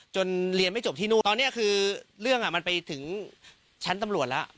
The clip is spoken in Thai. เรียนไม่จบที่นู่นตอนนี้คือเรื่องมันไปถึงชั้นตำรวจแล้ว